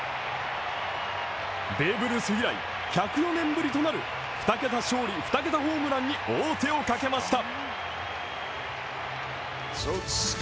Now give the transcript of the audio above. ベーブ・ルース以来１０４年ぶりとなる２桁勝利２桁ホームランに王手をかけました。